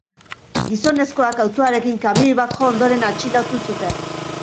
Gizonezkoak autoarekin kamioi bat jo ondoren atxilotu zuten.